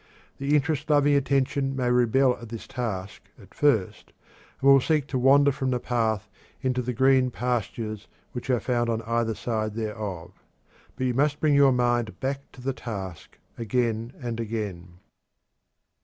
The interest loving attention may rebel at this task at first, and will seek to wander from the path into the green pastures which are found on each side thereof. But you must bring the mind back to the task, again and again.